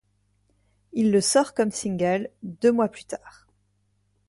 Il le sort comme single deux mois plus tard.